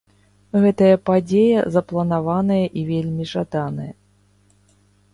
Гэтая падзея запланаваная і вельмі жаданая.